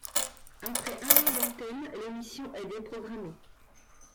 Après un an d'antenne, l'émission est déprogrammée.